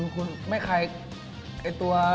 คุณไม่ไข่ไอ้ตัว